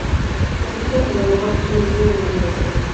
Las pistas del aeropuerto son visibles desde la sede.